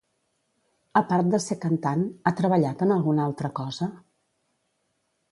A part de ser cantant, ha treballat en alguna altra cosa?